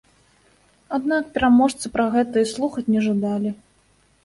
Аднак пераможцы пра гэта і слухаць не жадалі.